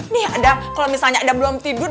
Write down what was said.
nih adam kalau misalnya adam belum tidur